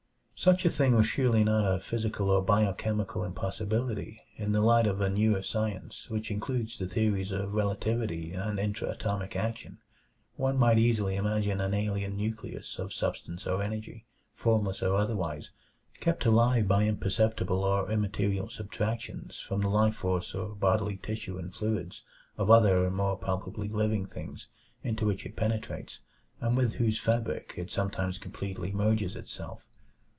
Such a thing was surely not a physical or biochemical impossibility in the light of a newer science which includes the theories of relativity and intra atomic action. One might easily imagine an alien nucleus of substance or energy, formless or otherwise, kept alive by imperceptible or immaterial subtractions from the life force or bodily tissue and fluids of other and more palpably living things into which it penetrates and with whose fabric it sometimes completely merges itself.